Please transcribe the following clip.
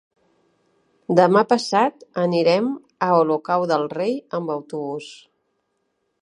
Demà passat anirem a Olocau del Rei amb autobús.